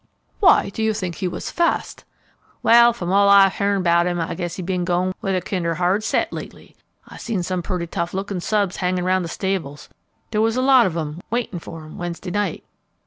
"Why do you think he was fast?" "Wal, from all I've hearn about him I guess he's ben goin' with a kinder hard set lately. I've seen some putty tough lookin' subs hangin' 'round the stables. There was a lot of 'em waitin' for him Wednesday night."